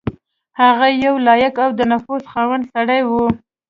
هغه یو لایق او د نفوذ خاوند سړی وو.